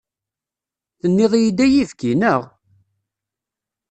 Tenniḍ-iyi-d ay ibki, neɣ?